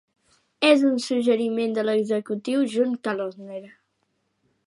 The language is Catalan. És una suggeriment de l'executiu John Kalodner.